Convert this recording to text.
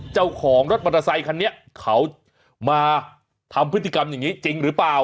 เจ้าของรถมอเตอร์ไซคันนี้เขามาทำพฤติกรรมอย่างนี้จริงหรือเปล่า